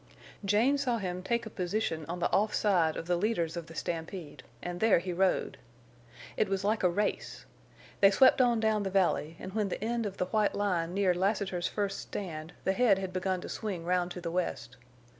Jane saw him take a position on the off side of the leaders of the stampede, and there he rode. It was like a race. They swept on down the valley, and when the end of the white line neared Lassiter's first stand the head had begun to swing round to the west.